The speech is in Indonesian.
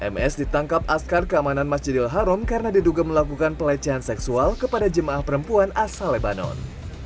ms ditangkap askar keamanan masjidil haram karena diduga melakukan pelecehan seksual kepada jemaah perempuan asal lebanon